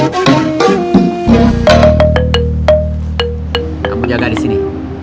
kamu jaga disini